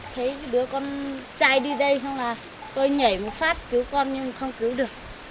thấy đứa con trai đi đây xong là tôi nhảy một phát cứu con nhưng không cứu được